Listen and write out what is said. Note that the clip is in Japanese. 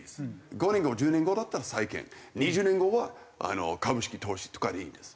５年後１０年後だったら債権２０年後は株式投資とかでいいんです。